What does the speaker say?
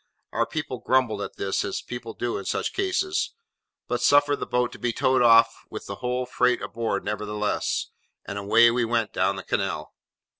Our people grumbled at this, as people do in such cases; but suffered the boat to be towed off with the whole freight aboard nevertheless; and away we went down the canal.